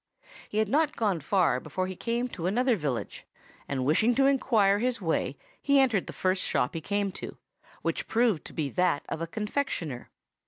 "He had not gone far before he came to another village, and wishing to inquire his way he entered the first shop he came to, which proved to be that of a confectioner.